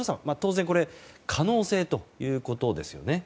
これは可能性ということですよね。